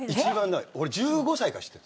俺１５歳から知ってる。